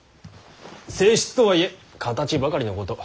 正室とはいえ形ばかりのこと。